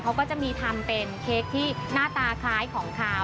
เขาก็จะมีทำเป็นเค้กที่หน้าตาคล้ายของขาว